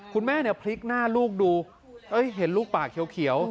คุณแม่เนี่ยพลิกหน้าลูกดูเห็นลูกปากเขียว